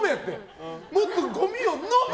もっとごみを飲め！